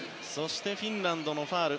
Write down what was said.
フィンランドのファウル。